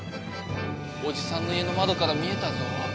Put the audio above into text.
おじさんの家の窓から見えたぞ。